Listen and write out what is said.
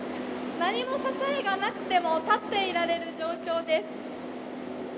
何も支えがなくても、立っていられる状況です。